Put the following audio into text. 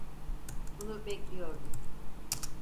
Bunu bekliyordum.